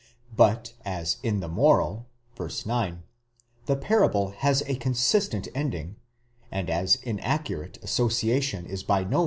But as in the moral (v. 9) the parable has a consistent ending ; and as inaccurate association is by no means.